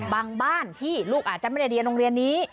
บ้านที่ลูกอาจจะไม่ได้เรียนโรงเรียนนี้